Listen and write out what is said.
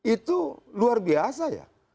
itu luar biasa ya